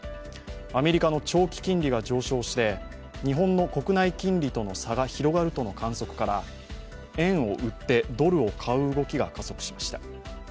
アメリカの長期金利が上昇して日本の国内金利との差が広がるとの観測から円を売ってドルを買う動きが加速しました。